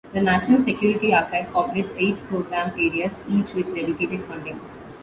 The National Security Archive operates eight program areas, each with dedicated funding.